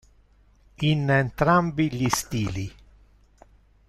In entrambi gli stili.